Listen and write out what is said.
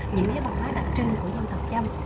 những nền văn hóa đặc trưng của dân thập châm